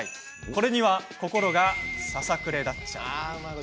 これには心がささくれ立っちゃう。